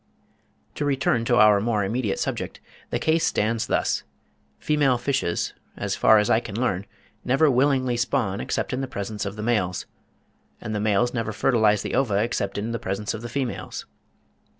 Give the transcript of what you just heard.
To return to our more immediate subject. The case stands thus: female fishes, as far as I can learn, never willingly spawn except in the presence of the males; and the males never fertilise the ova except in the presence of the females.